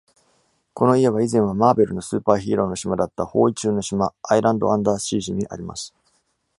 この家は、以前はマーベルのスーパーヒーローの島であった「包囲中の島 （Island under Siege）」にあります。